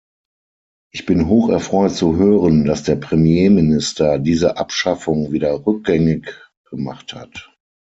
Ich bin hocherfreut zu hören, dass der Premierminister diese Abschaffung wieder rückgängig gemacht hat.